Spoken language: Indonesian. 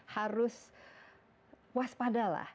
harus waspada lah